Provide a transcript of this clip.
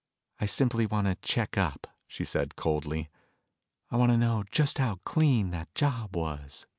"I simply want to check up," she said coldly. "I want to know just how clean that job was."